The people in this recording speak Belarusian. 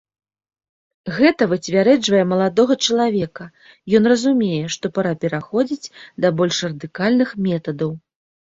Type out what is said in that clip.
Гэта выцвярэжвае маладога чалавека, ён разумее, што пара пераходзіць да больш радыкальных метадаў.